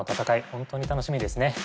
ホントに楽しみですね。